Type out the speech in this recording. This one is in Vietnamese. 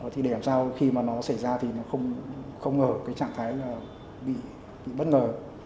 thì để làm sao khi mà nó xảy ra thì nó không ở cái trạng thái là bị bất ngờ